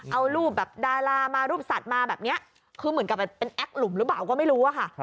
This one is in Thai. เอารูปแบบดารามารูปสัตว์มาแบบนี้คือเหมือนกับเป็นแอคหลุมหรือเปล่าก็ไม่รู้อะค่ะ